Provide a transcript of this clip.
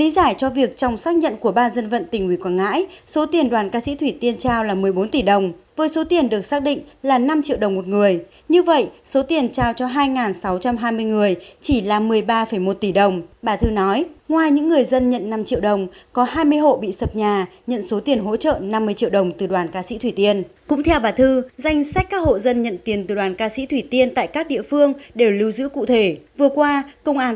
tính minh bạch của số tiền hỗ trợ là chính xác bởi cán bộ địa phương tham gia đếm tiền phiếu này sẽ thu lại